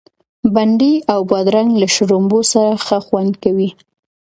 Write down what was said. بنډۍ او بادرنګ له شړومبو سره ښه خوند کوي.